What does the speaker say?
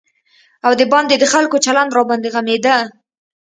او د باندې د خلکو چلند راباندې غمېده.